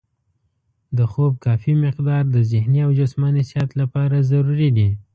د خوب کافي مقدار د ذهني او جسماني صحت لپاره ضروري دی.